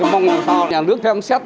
mong là nhà nước thêm xét